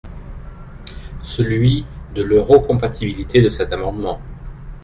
…celui de l’euro-compatibilité de cet amendement.